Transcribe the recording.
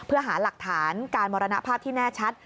เพื่อหาหลักฐานการมรณภาพที่แน่ชัด